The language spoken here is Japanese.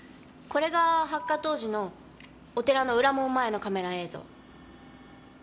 これが発火当時のお寺の裏門前のカメラ映像。